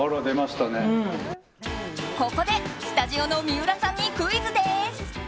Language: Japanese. ここで、スタジオの三浦さんにクイズです。